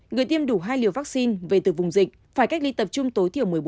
người tiêm đủ hai liều vaccine về từ vùng dịch phải cách ly tập trung tối thiểu một mươi bốn